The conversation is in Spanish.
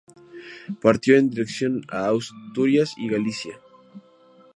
Partió en dirección a Asturias y Galicia.